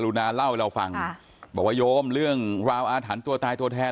กลูนาเล่าเดียวเอาฟังบัวยโยมเรื่องราวอาถันตัวตายตัวแทน